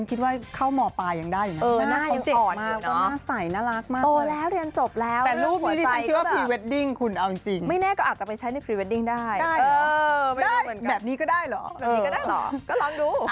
ถ้าไม่บอกว่าเรียนจบแล้วนะฉันก็คิดว่าเข้า